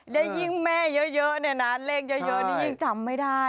และยิ่งแม่เยอะเนี่ยนะเลขเยอะนี่ยิ่งจำไม่ได้